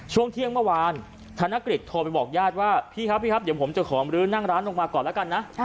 ช่วงเที่ยงเมื่อวานธนกฤษโทรไปบอกญาติว่าพี่ครับพี่ครับเดี๋ยวผมจะขอมรื้อนั่งร้านลงมาก่อนแล้วกันนะ